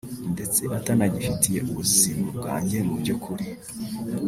ndetse atanagafitiye ubuzima bwanjye mu by’ukuri